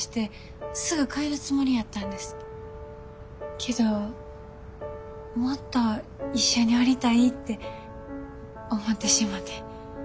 けどもっと一緒におりたいって思ってしもて。